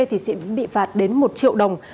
thì sẽ bị vạt đến một triệu đồng